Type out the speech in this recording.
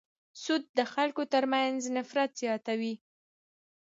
سود د خلکو تر منځ نفرت زیاتوي.